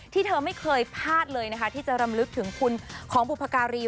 เธอไม่เคยพลาดเลยนะคะที่จะรำลึกถึงคุณของบุพการี